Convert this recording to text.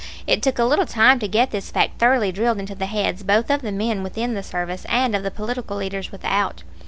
It took a little time to get this fact thoroughly drilled into the heads both of the men within the service and of the political leaders without.